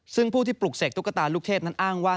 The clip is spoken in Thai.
ซึ่งผู้ที่ปลุกเสกตุ๊กตาลูกเทพนั้นอ้างว่า